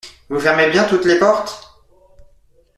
Vous fermez bien toutes les portes ?